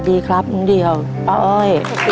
พอลุงเดี่ยวค่ะ